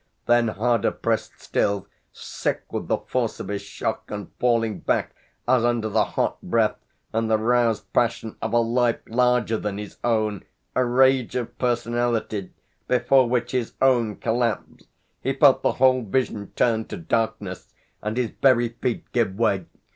Then harder pressed still, sick with the force of his shock, and falling back as under the hot breath and the roused passion of a life larger than his own, a rage of personality before which his own collapsed, he felt the whole vision turn to darkness and his very feet give way.